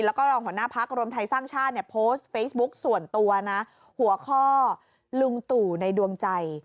แล้วก็รองหัวหน้าพักรวมไทยสร้างชาติเนี่ยโพสต์เฟซบุ๊กส่วนตัวนะหัวข้อลุงตู่ในดวงใจ